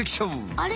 あれ？